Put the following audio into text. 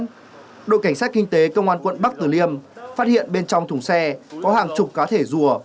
trước đó đội cảnh sát kinh tế công an quận bắc tử liêm phát hiện bên trong thùng xe có hàng chục cá thể rùa